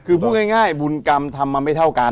คือพูดง่ายบุญกรรมทำมาไม่เท่ากัน